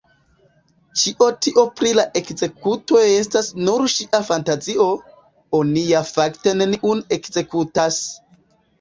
Ĉio tio pri la ekzekutoj estas nur ŝia fantazio; oni ja fakte neniun ekzekutas!